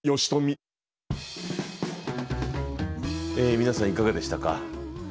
皆さんいかがでしたか。